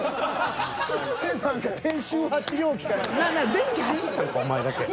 電気走ったんかお前だけ。